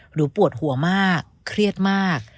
ปวดหัวมากเครียดมาก